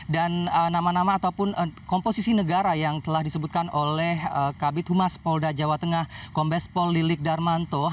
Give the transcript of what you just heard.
dan nama nama ataupun komposisi negara yang telah disebutkan oleh kabit humas polda jawa tengah kombes pol lilik darmanto